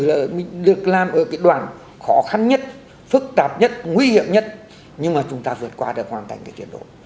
đường sát việt nam ở cái đoạn khó khăn nhất phức tạp nhất nguy hiểm nhất nhưng mà chúng ta vượt qua được hoàn thành cái tiến độ